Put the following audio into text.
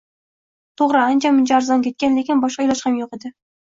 Toʻgʻri, ancha-muncha arzon ketgan, lekin boshqa iloj ham yoʻq edi.